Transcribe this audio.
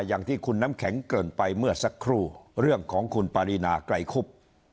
อย่างที่คุณน้ำแข็งเกินไปเมื่อสักครู่เรื่องของคุณปารีนาไกรคุบ